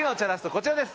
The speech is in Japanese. こちらです。